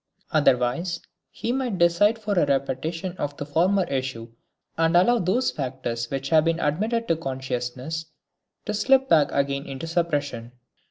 Otherwise he might decide for a repetition of the former issue and allow those factors which have been admitted to consciousness to slip back again into suppression.